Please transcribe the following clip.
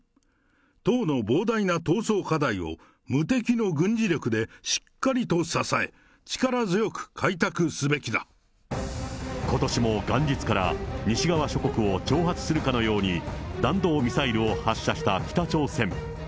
党の膨大な闘争課題を無敵の軍事力でしっかりと支え、ことしも元日から、西側諸国を挑発するかのように弾道ミサイルを発射した北朝鮮。